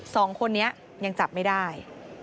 สองคนนี้ยังจับไม่ได้